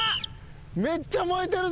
めっちゃ燃えてるぞ。